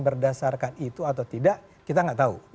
berdasarkan itu atau tidak kita nggak tahu